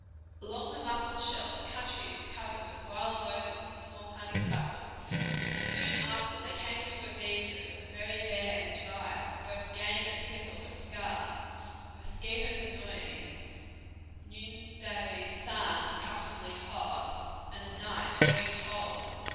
Along the Musselshell the country was covered with wild roses and small honeysuckle, but soon after they came into a region that was very bare and dry, where both game and timber were scarce, the mosquitoes annoying, the noonday sun uncomfortably hot, and the nights very cold.